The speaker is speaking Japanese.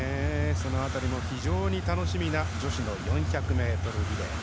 その辺りも非常に楽しみな女子の４００ｍリレー。